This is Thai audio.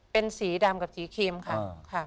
เป็นสีดำกับสีครีมค่ะ